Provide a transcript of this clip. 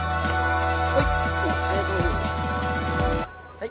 はい。